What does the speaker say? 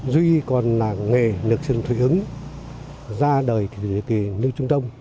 duy còn làng nghề lược sừng thụy ứng ra đời từ thời kỳ nước trung tông